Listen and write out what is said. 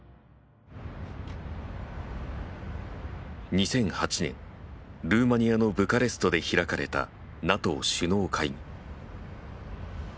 ２００８年ルーマニアのブカレストで開かれたＮＡＴＯ首脳会議。